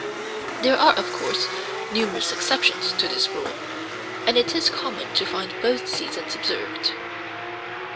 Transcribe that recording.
There are, of course, numerous exceptions to this rule, and it is common to find both seasons observed.